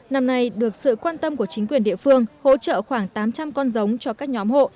năm nay được sự quan tâm của chính quyền địa phương hỗ trợ khoảng tám trăm linh con giống cho các nhóm hộ